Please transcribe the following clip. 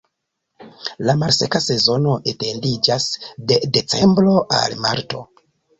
La malseka sezono etendiĝas de decembro al marto.